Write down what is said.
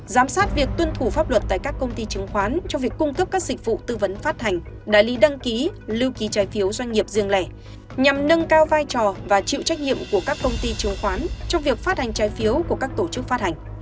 giám sát việc tuân thủ pháp luật tại các công ty chứng khoán cho việc cung cấp các dịch vụ tư vấn phát hành đại lý đăng ký lưu ký trái phiếu doanh nghiệp riêng lẻ nhằm nâng cao vai trò và chịu trách nhiệm của các công ty chứng khoán trong việc phát hành trái phiếu của các tổ chức phát hành